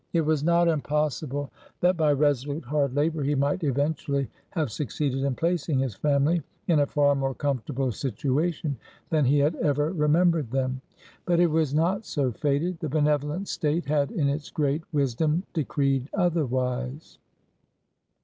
It was not impossible that by resolute hard labor he might eventually have succeeded in placing his family in a far more comfortable situation than he had ever remembered them. But it was not so fated; the benevolent State had in its great wisdom decreed otherwise.